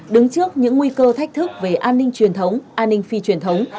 đứng trước những nguy cơ thách thức về an ninh truyền thống an ninh phi truyền thống